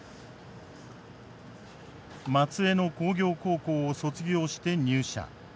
松江の工業高校を卒業して入社。